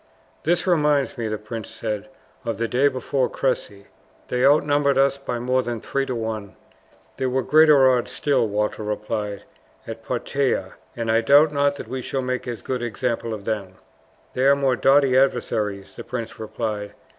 "This reminds me," the prince said, "of the day before Cressy. They outnumber us by more than three to one. "There were greater odds still," Walter replied, "at Poitiers, and I doubt not that we shall make as good an example of them." "They are more doughty adversaries," the prince replied.